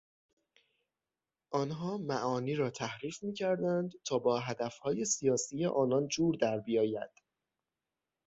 آنها معانی را تحریف میکردند تا با هدفهای سیاسی آنان جور دربیاید.